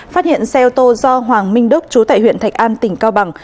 phát hiện xe ô tô do hoàng minh đức chú tại huyện thạch an tỉnh cao bằng